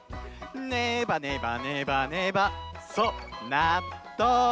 「ねばねばねばねば」そうなっとう！